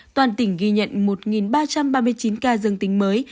toàn tỉnh ghi nhận một ba trăm ba mươi chín ca dương tính mới